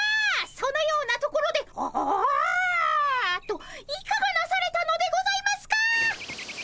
そのようなところで「ああ」といかがなされたのでございますか？